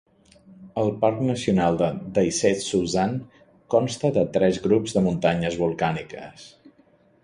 El parc nacional de Daisetsuzan consta de tres grups de muntanyes volcàniques.